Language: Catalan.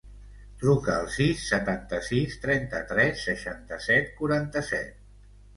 Truca al sis, setanta-sis, trenta-tres, seixanta-set, quaranta-set.